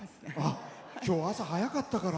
きょう、朝早かったから。